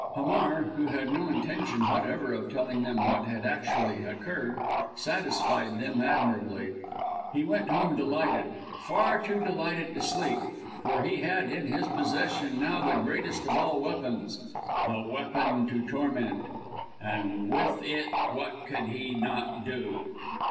Hamar, who had no intention whatever of telling them what had actually occurred, satisfied them admirably. He went home delighted far too delighted to sleep for he had in his possession now the greatest of all weapons the weapon to torment. And with it what could he not do!